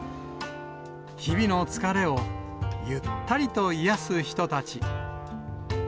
日々の疲れを、ゆったりと癒やす人たち。